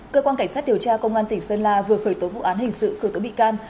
cơ quan cảnh sát điều tra công an tỉnh sơn la vừa khởi tố vụ án hình sự khởi tố bị can